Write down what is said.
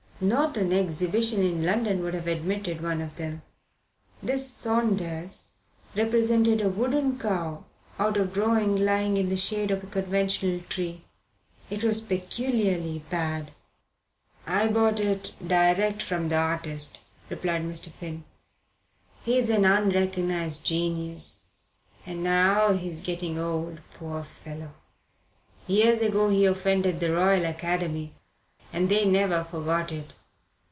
Not an exhibition in London would have admitted one of them. This "Saunders" represented a wooden cow out of drawing lying in the shade of a conventional tree. It was peculiarly bad. "I bought it direct from the artist," replied Mr. Finn. "He's an unrecognized genius, and now he's getting old, poor fellow. Years ago he offended the Royal Academy, and they never forgot it.